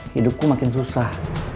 hidupku makin susah